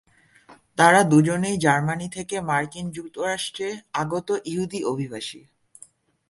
তারা দুজনেই জার্মানি থেকে মার্কিন যুক্তরাষ্ট্রে আগত ইহুদি অভিবাসী।